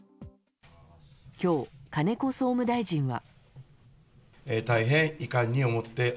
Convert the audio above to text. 今日、金子総務大臣は。